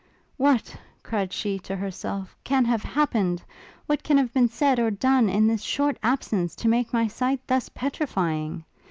What, cried she, to herself, can have happened? What can have been said or done, in this short absence, to make my sight thus petrifying?